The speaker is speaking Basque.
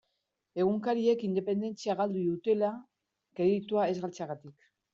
Egunkariek independentzia galdu dutela, kreditua ez galtzegatik.